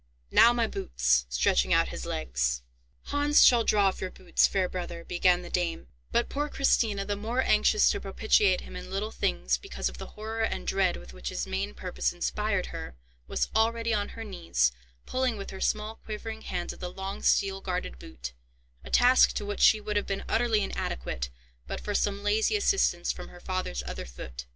Now my boots," stretching out his legs. "Hans shall draw off your boots, fair brother," began the dame; but poor Christina, the more anxious to propitiate him in little things, because of the horror and dread with which his main purpose inspired her, was already on her knees, pulling with her small quivering hands at the long steel guarded boot—a task to which she would have been utterly inadequate, but for some lazy assistance from her father's other foot.